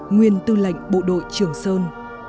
nguyên tư lệnh bộ đội trưởng sơn